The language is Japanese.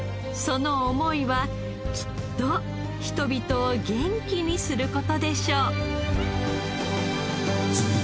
その思いはきっと人々を元気にする事でしょう。